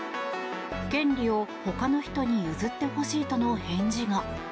権利をほかの人に譲ってほしいとの返事が。